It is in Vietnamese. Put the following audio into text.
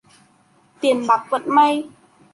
Tiền bạc vận may